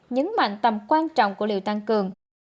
nhấn mạnh tầm quan trọng của liều tăng cường